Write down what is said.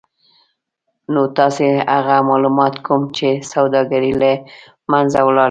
نو تاسې هغه مالومات کوم چې سوداګري له منځه وړلای